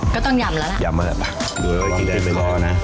ก็ต้องยำแล้วล่ะยำมากป่ะดูแล้วไกลไปนะ